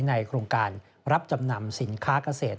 ในโครงการรับจำนำสินค้าเกษตร